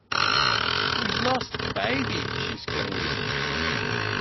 "We've lost baby," she screamed.